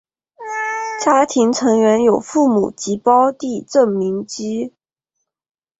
家庭成员有父母及胞弟郑民基。